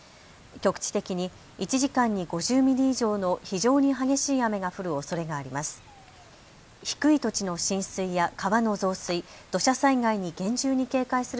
局地的に１時間に５０ミリ以上の非常に激しい雨が降るおそれがあります。